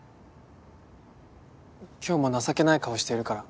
今日も情けない顔しているから。